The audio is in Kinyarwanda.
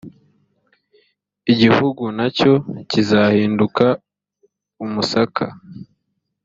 igihugu na cyo kizahinduka umusaka